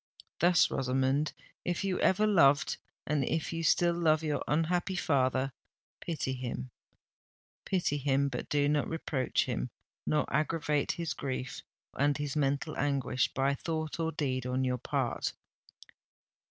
Thus, Rosamond, if you ever loved and if you still love your unhappy father—pity him, pity him—but do not reproach him—nor aggravate his grief and his mental anguish by thought or deed on your part!"